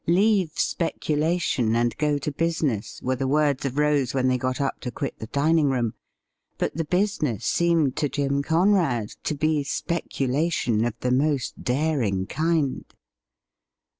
' Leave speculation, and go to business,' were the words of Rose when they got up to quit the dining room. But the business seemed to Jim Conrad to be speculation of the most daring kind.